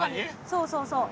そうそうそう。